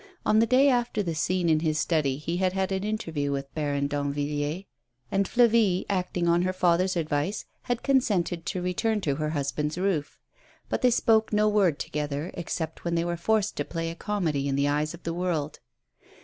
On the day after the scene in his study he had had an interview with Baron Danvilliers; and Flavie, acting on her father's advice, had consented to return to her husband's roof. But they spoke no word together, except when they were forced to play a comedy in the eyes of the world.